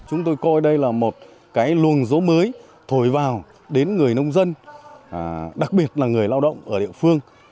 chúng tôi coi đây là một cái luồng dấu mới thổi vào đến người nông dân đặc biệt là người lao động ở địa phương